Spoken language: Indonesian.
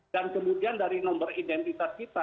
dan kemudian dari nomor identitas kita